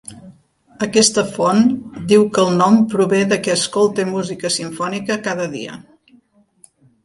Aquesta font diu que el nom prové de que escolta música simfònica cada dia.